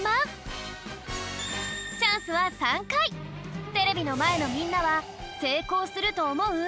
なんだかテレビのまえのみんなはせいこうするとおもう？